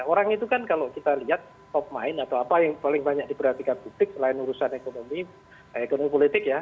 orang itu kan kalau kita lihat top mind atau apa yang paling banyak diperhatikan publik selain urusan ekonomi ekonomi politik ya